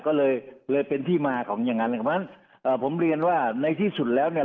ก็เลยเป็นที่มาของอย่างนั้นผมเรียนว่าในที่สุดแล้วเนี่ย